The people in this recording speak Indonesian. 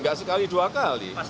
tidak sekali dua kali